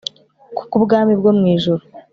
ku bw'ubwami bwo mu ijuru